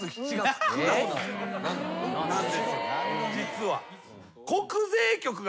実は。